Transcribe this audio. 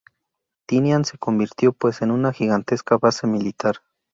Tinian se convirtió pues en una gigantesca base militar.